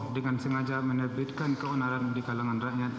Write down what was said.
dengan sengaja menerbitkan keonaran di kalangan rakyat